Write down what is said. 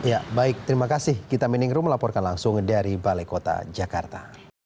ya baik terima kasih kita meningrum melaporkan langsung dari balai kota jakarta